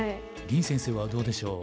林先生はどうでしょう？